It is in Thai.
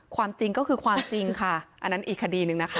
ความจริงก็คือความจริงค่ะอันนั้นอีกคดีหนึ่งนะคะ